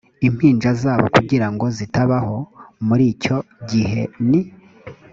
impinja zabo kugira ngo zitabaho m muri icyo gihe ni